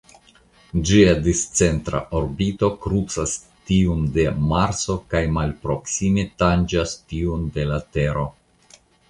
Ĝia discentra orbito krucas tiun de Marso kaj malproksime tanĝas tiun de la Tero.